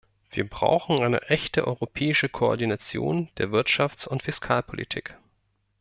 Wir brauchen eine echte europäische Koordination der Wirtschafts- und Fiskalpolitik.